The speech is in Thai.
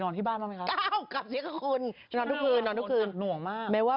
นอนที่บ้านบ้างไหมครับกลับเชียงกับคนแน่ความว่า